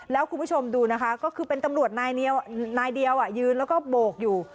แล้วคุณผู้ชมดูนะคะก็คือเป็นตำรวจนายเดียวยืนแล้วก็โบกอยู่